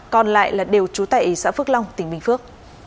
còn lại là đều trú tại xã phước long tỉnh bình phước